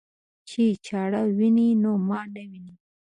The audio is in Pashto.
چې چاړه ويني نو ما نه ويني.